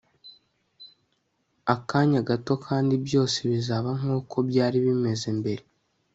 akanya gato kandi byose bizaba nkuko byari bimeze mbere